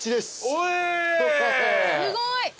すごい。